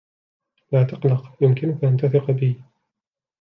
لا تقلق. يمكنك أن تثق بي.